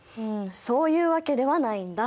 そういうわけではないんだ。